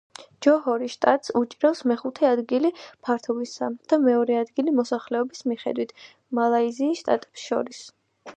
ჯოჰორის შტატს უჭირავს მეხუთე ადგილი ფართობისა და მეორე ადგილი მოსახლეობის მიხედვით მალაიზიის შტატებს შორის.